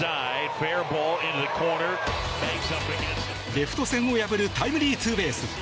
レフト線を破るタイムリーツーベース。